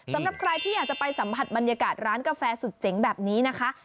สำหรับใครที่อยากจะไปสัมผัสบรรยากาศร้านกาแฟสุดเจ๋งแบบนี้นะคะ